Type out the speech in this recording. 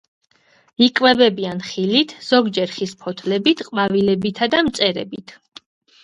იკვებებიან ხილით, ზოგჯერ ხის ფოთლებით, ყვავილებითა და მწერებით.